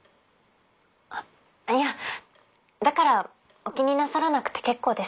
あっいやだからお気になさらなくて結構ですよ。